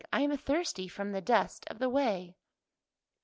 I am thirsty from the dust of the way."